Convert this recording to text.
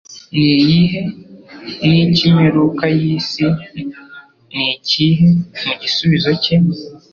ni iyihe n'icy'imperuka y'isi ni ikihe?» Mu gisubizo cye,